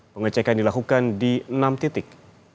pengecekan dilakukan di enam titik